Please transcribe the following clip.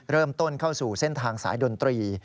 เริ่มต้นเข้าสู่เส้นทางสายดนตรี